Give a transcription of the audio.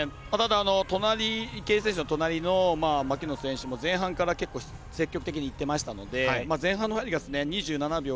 ただ、池江選手の隣の牧野選手も前半から結構積極的にいってましたので前半の入りが２７秒